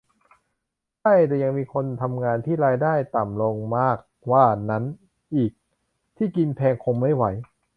ใช่ แต่ยังมีคนทำงานที่รายได้ต่ำลงมากว่านั้นอีก ที่กินแพงคงไม่ไหว